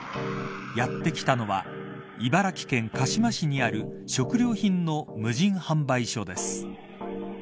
やってきたのは茨城県鹿嶋市にある食料品の無人販売所です。